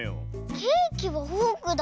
ケーキもフォークだ。